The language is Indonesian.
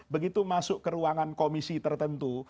begitu masuk ke ruangan komisi tertentu